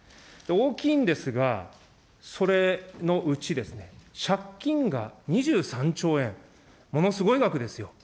大きいんですが、それのうちですね、借金が２３兆円、ものすごい額ですよ。